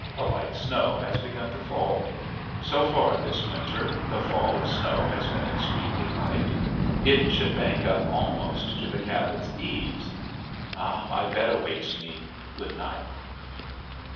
A light snow has begun to fall. So far this winter the fall of snow has been extremely light. It should bank up almost to the cabin's eaves.... My bed awaits me. Good night.